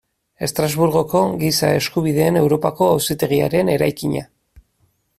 Estrasburgoko Giza Eskubideen Europako Auzitegiaren eraikina.